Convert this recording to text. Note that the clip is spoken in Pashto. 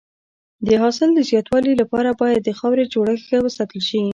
د حاصل د زیاتوالي لپاره باید د خاورې جوړښت ښه وساتل شي.